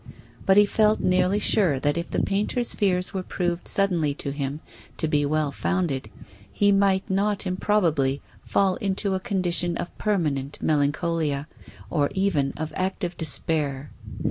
But he felt nearly sure that if the painter's fears were proved suddenly to him to be well founded, he might not improbably fall into a con dition of permanent melancholia, or even of active despair.